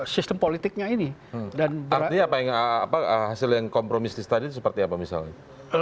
sistem politiknya ini dan artinya apa yang hasil yang kompromistis tadi seperti apa misalnya